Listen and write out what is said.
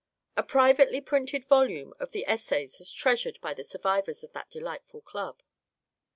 A privately printed volume of the essays is treasured by the survivors of that delightful club.